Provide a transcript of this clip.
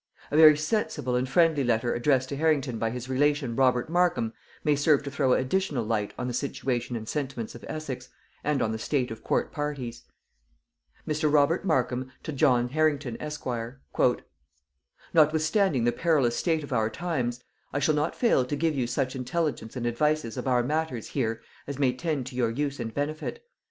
A very sensible and friendly letter addressed to Harrington by his relation Robert Markham may serve to throw additional light on the situation and sentiments of Essex, and on the state of court parties. Mr. Robert Markham to John Harrington Esquire. "Notwithstanding the perilous state of our times, I shall not fail to give you such intelligence and advices of our matters here as may tend to your use and benefit.